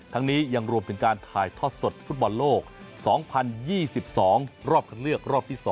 ทั้งนี้ยังรวมถึงการถ่ายทอดสดฟุตบอลโลก๒๐๒๒รอบคันเลือกรอบที่๒